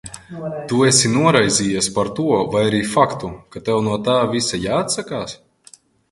Tu esi noraizējies par to, vai arī faktu, ka tev no tā visa jāatsakās?